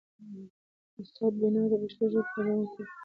استاد بینوا د پښتو ژبي پالونکی و.